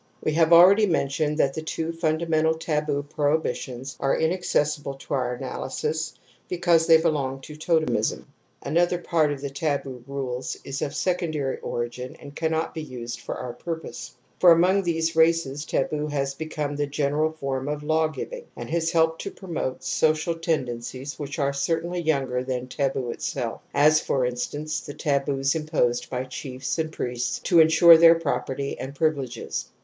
We have already mentioned that the two fun damental taboo prohibitions are inaccessible to our analysis because they belong to totemism ; another part of the taboo rules is of secondary origin and cannot be used for our purpose. For , among these races taboo has become the general form of law giving and has helped to promote ;•/'^ social tendencies which are certainly younger » than taboo itself, as for instance, the taboos ^(^ imposed by chiefs and priests to insiu'e their J property and privileges.